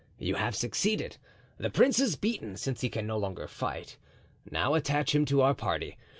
You have succeeded; the prince is beaten, since he can no longer fight. Now attach him to our party.